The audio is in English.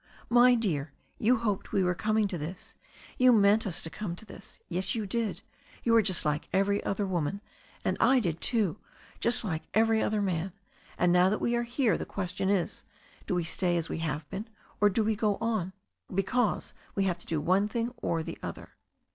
"My dear, you hoped we were coming to this, you meant us to come to this. Yes, you did — ^you are just like every other woman. And I did, too, just like every other man. And now that we are here the question is, do we stay as we have been, or do we go on? Because we have to do one thing or the other."